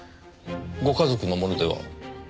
ご家族のものでは？